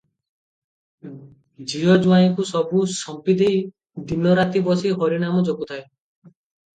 ଝିଅ ଜୁଆଇଁଙ୍କୁ ସବୁ ସମ୍ପିଦେଇ ଦିନ ରାତି ବସି ହରି ନାମ ଜପୁଥାଏ |